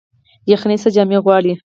یخني څه جامې غواړي؟